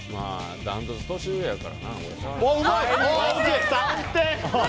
ダントツ年上やから。